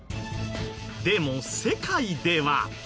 でも世界では。